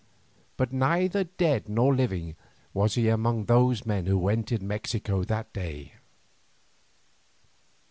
But neither dead nor living was he among those men who entered Mexico that day.